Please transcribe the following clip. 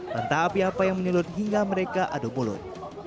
tentang api api yang menyulut hingga mereka adu mulut